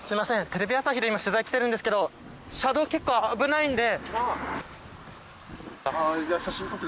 テレビ朝日で取材に来てるんですけど車道、結構危ないので。